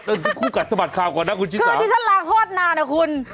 ตอนนี้คู่กัดสบัดข่าวกว่าน่ะคุณชิสาวคือที่ฉันลาคลอดนาน่ะคุณ